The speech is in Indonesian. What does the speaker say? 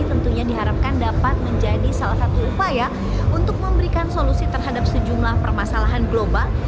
tentunya diharapkan dapat menjadi salah satu upaya untuk memberikan solusi terhadap sejumlah permasalahan global